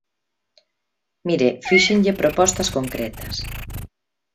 Mire, fíxenlle propostas concretas.